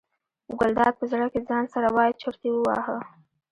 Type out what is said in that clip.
ګلداد په زړه کې ځان سره وایي چورت یې وواهه.